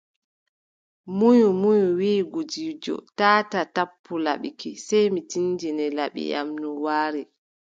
Munyi, munyi, wiʼi gudiijo : taataa tappu laɓi ki, sey mi tindine laɓi am no waari.